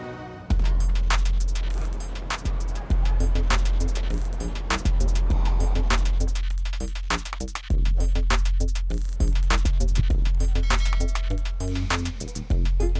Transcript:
ciling memberitakan tindra